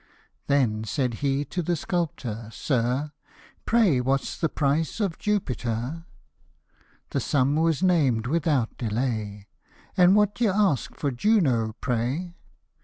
Then said he to the sculptor, " Sir, Pray what's the price of Jupiter ?" The sum was named without delay :" And what dy'e ask for Juno, pray